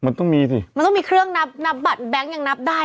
มันต้องมีเครื่องนับบัตรแบงก์ยังนับได้